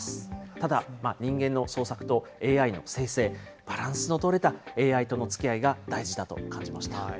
ただ、人間の創作とＡＩの生成、バランスの取れたＡＩとのつきあいが大事だと感じました。